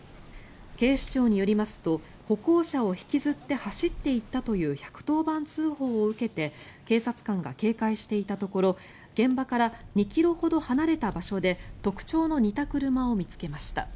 警視庁によりますと歩行者を引きずって走っていったという１１０番通報を受けて警察官が警戒していたところ現場から２ｋｍほど離れた場所で特徴の似た車を見つけました。